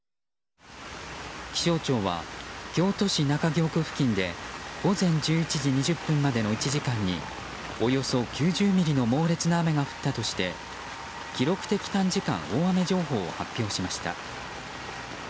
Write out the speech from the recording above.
気象庁は京都市中京区付近で午前１１時２０分までの１時間におよそ９０ミリの猛烈な雨が降ったとして記録的短時間大雨情報を発表しました。